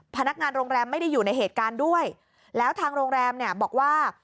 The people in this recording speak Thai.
พนักงานโรงแรมไม่ได้อยู่ในเหตุการณ์ด้วยแล้วทางโรงแรมเนี่ยบอกว่า